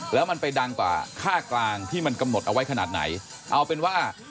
แล้วมันไปดังกว่าค่ากลางที่มันกำหนดเอาไว้ขนาดไหนเอาเป็นว่า